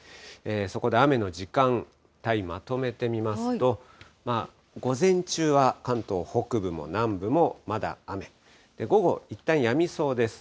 そこで雨の時間帯まとめてみますと、午前中は関東北部も南部もまだ雨、午後、いったんやみそうです。